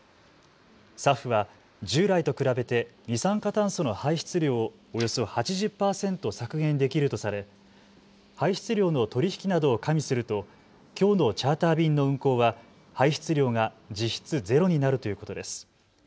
ＳＡＦは従来と比べて二酸化炭素の排出量をおよそ８０％削減できるとされ排出量の取り引きなどを加味するときょうのチャーター便の運航は排出量が実質ゼロになるということです。